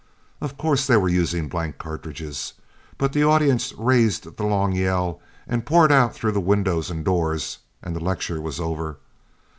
Of course they were using blank cartridges, but the audience raised the long yell and poured out through the windows and doors, and the lecture was over.